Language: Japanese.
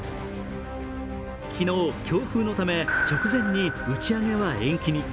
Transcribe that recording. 昨日、強風のため直前に打ち上げは延期に。